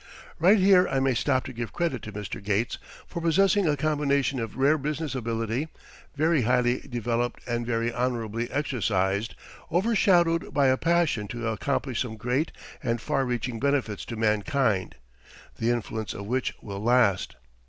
Right here I may stop to give credit to Mr. Gates for possessing a combination of rare business ability, very highly developed and very honourably exercised, overshadowed by a passion to accomplish some great and far reaching benefits to mankind, the influence of which will last.